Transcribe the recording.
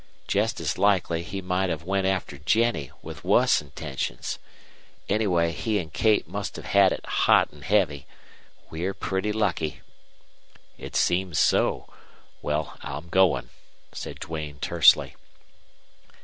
Jest as likely he might have went after Jennie, with wuss intentions. Anyway, he an' Kate must have had it hot an' heavy. We're pretty lucky." "It seems so. Well, I'm going," said Duane, tersely.